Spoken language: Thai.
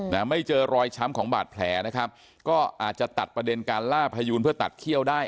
ไม่เจอรอยช้ำของบาดแผลนะครับก็อาจจะตัดประเด็นการล่าพยูนเพื่อตัดเขี้ยวได้